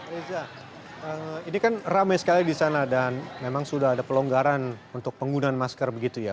reza ini kan ramai sekali di sana dan memang sudah ada pelonggaran untuk penggunaan masker begitu ya